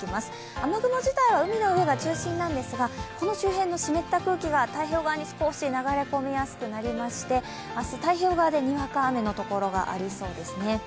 雨雲自体は海の上が中心なんですがこの近くの湿った空気が太平洋側に流れ込みやすくなりまして明日、太平洋側でにわか雨の所がありそうですね。